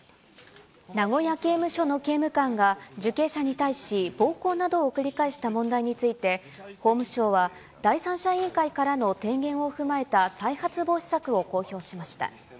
名古屋刑務所の刑務官が、受刑者に対し暴行などを繰り返した問題について、法務省は、第三者委員会からの提言を踏まえた再発防止策を公表しました。